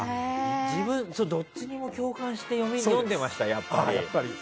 どっちにも共感して読んでいました、